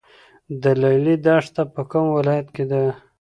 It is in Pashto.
د لیلی دښته په کوم ولایت کې ده؟